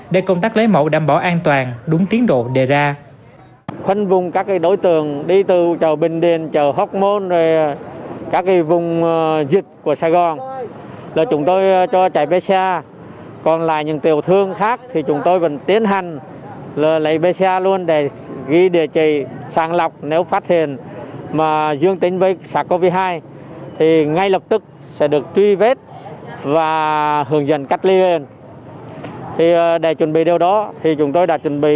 để công tác lấy mẫu đảm bảo an toàn đúng tiến độ đề ra